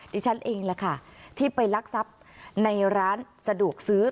ดิฉันเองแหละค่ะที่ไปลักทรัพย์ในร้านสะดวกซื้อ